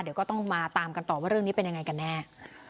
เดี๋ยวก็ต้องมาตามกันต่อว่าเรื่องนี้เป็นยังไงกันแน่